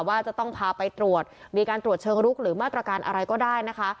ว่าจะต้องพาไปตรวจมีการตรวจเชิงลุกหรือมาตรการอะไรก็ได้นะคะ